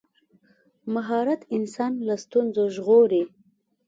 مهارت انسان له ستونزو ژغوري.